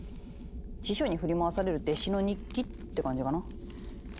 師匠に振り回される弟子の日記って感じかな。